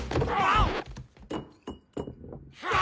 あっ！